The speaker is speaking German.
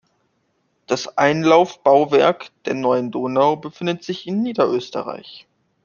Das Einlaufbauwerk der Neuen Donau befindet sich in Niederösterreich.